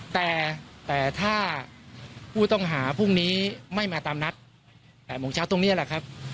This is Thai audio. แต่ถ้าผู้ต้องหาพรุ่งนี้ไม่มาตามนัด๘โมงเช้าตรงนี้แหละครับ